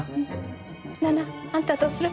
菜々あんたどうする？